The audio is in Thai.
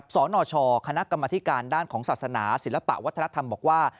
สนชคณะกรรมธิการด้านของศาสนาศิลปะวัฒนธรรมบอกว่า